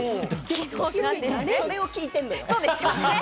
それを聞いてんだけど。